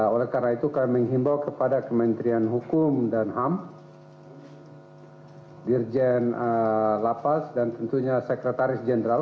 oleh karena itu kami menghimbau kepada kementerian hukum dan ham dirjen lapas dan tentunya sekretaris jenderal